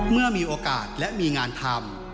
เมื่อมีโอกาสและมีงานทำ